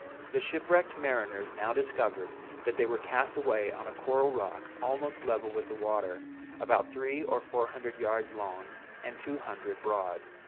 The shipwrecked mariners now discovered that they were cast away on a coral rock almost level with the water, about three or four hundred yards long, and two hundred broad.